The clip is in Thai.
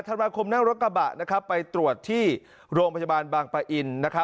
ธันวาคมนั่งรถกระบะไปตรวจที่โรงพยาบาลบางปะอิน